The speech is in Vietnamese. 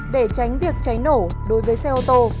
để tránh việc cháy nổ đối với xe ô tô